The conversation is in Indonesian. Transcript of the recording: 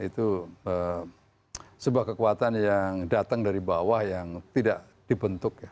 itu sebuah kekuatan yang datang dari bawah yang tidak dibentuk ya